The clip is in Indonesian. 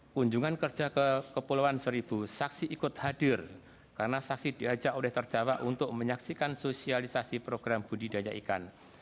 kunjungan kerja ke kepulauan seribu saksi ikut hadir karena saksi diajak oleh terdakwa untuk menyaksikan sosialisasi program budidaya ikan